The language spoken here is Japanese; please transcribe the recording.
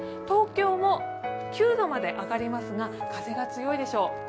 東京も９度まで上がりますが風が強いでしょう。